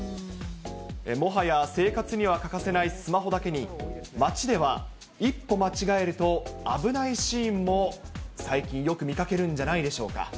もはや生活には欠かせないスマホだけに、街では一歩間違えると、危ないシーンも、最近、よく見かけるんじゃないでしょうか。